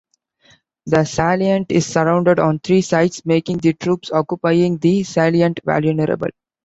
The salient is surrounded on three sides, making the troops occupying the salient vulnerable.